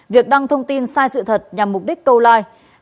việc đăng thông tin sai sự thật nhằm mục đích câu like